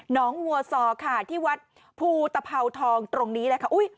งวัวซอค่ะที่วัดภูตภาวทองตรงนี้แหละค่ะ